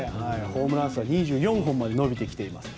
ホームラン数は２４本まで伸びてきています。